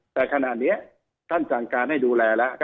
แต่ขณะนี้ท่านสั่งการให้ดูแลแล้ว